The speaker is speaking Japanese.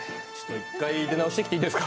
一回出直してきていいですか？